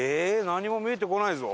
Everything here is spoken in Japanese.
何も見えてこないぞ？